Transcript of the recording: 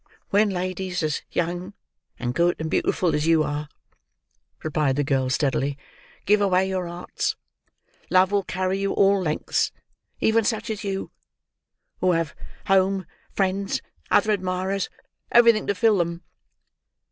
"When ladies as young, and good, and beautiful as you are," replied the girl steadily, "give away your hearts, love will carry you all lengths—even such as you, who have home, friends, other admirers, everything, to fill them.